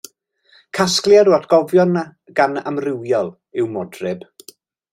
Casgliad o atgofion gan Amrywiol yw Modryb.